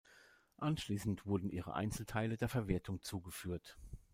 Anschließend wurden ihre Einzelteile der Verwertung zugeführt.